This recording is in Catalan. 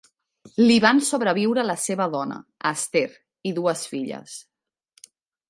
Li van sobreviure la seva dona, Esther, i dues filles.